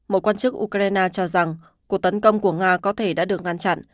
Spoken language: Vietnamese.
một quan chức ukraine cho rằng cuộc tấn công của nga có thể đã được ngăn chặn